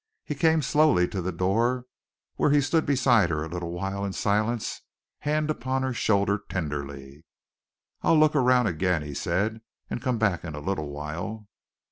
He came slowly to the door, where he stood beside her a little while in silence, hand upon her shoulder tenderly. "I'll look around again," he said, "and come back in a little while."